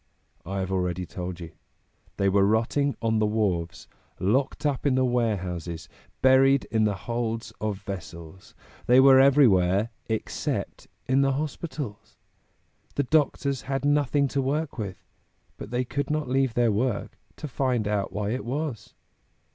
I have already told you; they were rotting on the wharves, locked up in the warehouses, buried in the holds of vessels; they were everywhere except in the hospitals. The doctors had nothing to work with, but they could not leave their work to find out why it was.